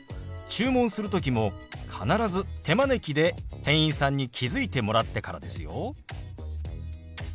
注文する時も必ず手招きで店員さんに気付いてもらってからですよ。